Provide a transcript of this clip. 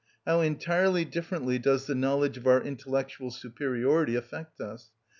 How entirely differently does the knowledge of our intellectual superiority affect us!